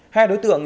hai đối tượng